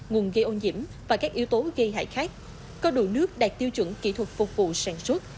nguồn gây ô nhiễm và các yếu tố gây hại khác có đủ nước đạt tiêu chuẩn kỹ thuật phục vụ sản xuất